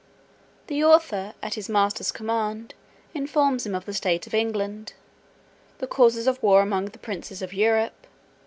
The author at his master's command, informs him of the state of England. The causes of war among the princes of Europe.